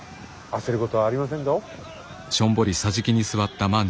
焦ることはありませんぞ。